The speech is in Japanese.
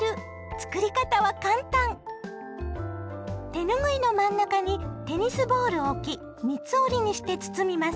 手ぬぐいの真ん中にテニスボールを置き三つ折りにして包みます。